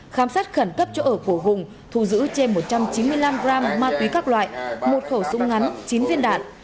khám xét khẩn cấp chỗ ở của hùng thu giữ trên một trăm chín mươi năm gram ma túy các loại một khẩu súng ngắn chín viên đạn